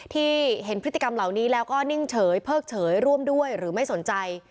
ที่เห็นพฤติกรรมเหล่านี้แล้วก็นิ่งเฉยเพิกเฉยร่วมด้วยหรือไม่สนใจ